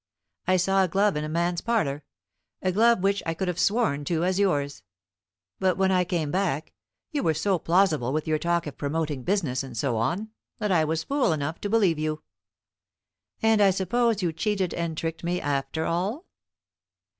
I saw a glove in a man's parlour a glove which I could have sworn to as yours. But when I came back, you were so plausible with your talk of promoting business, and so on, that I was fool enough to believe you. And I suppose you cheated and tricked me after all?"